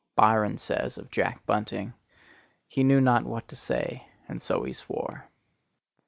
Byron says of Jack Bunting,— "He knew not what to say, and so he swore."